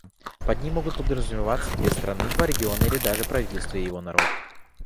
Под ними могут подразумеваться две страны, два региона или даже правительство и его народ.